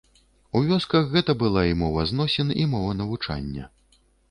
У вёсках гэта была і мова зносін, і мова навучання.